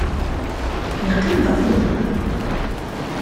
Yeqqim-d ɣef umeṭreḥ.